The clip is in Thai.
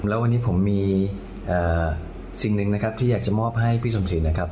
แล้ววันนี้ผมมีสิ่งหนึ่งนะครับที่อยากจะมอบให้พี่สมสินนะครับ